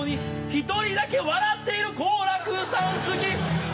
１人だけ笑っている好楽さん好き